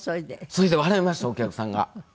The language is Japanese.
それで笑いましたお客さんが。